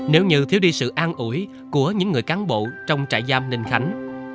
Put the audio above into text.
nếu như thiếu đi sự an ủi của những người cán bộ trong trại giam ninh khánh